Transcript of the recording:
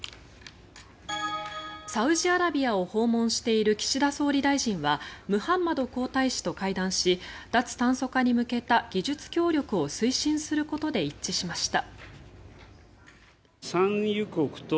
サウジアラビアを訪問している岸田総理大臣はムハンマド皇太子と会談し脱炭素化に向けた技術協力を推進することで一致しました。